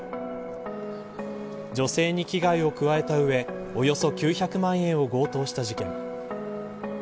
女性に危害を加えた上およそ９００万円を強盗した事件。